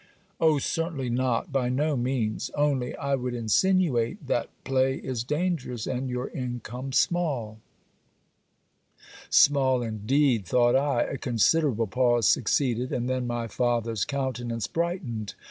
'Oh certainly, not! By no means! Only I would insinuate that play is dangerous, and your income small.' Small indeed, thought I. A considerable pause succeeded; and then my father's countenance brightened.